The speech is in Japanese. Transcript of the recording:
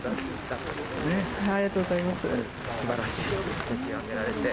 すばらしい成績を上げられて。